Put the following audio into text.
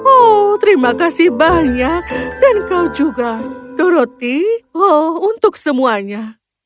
oh terima kasih banyak dan kau juga doroti oh untuk semuanya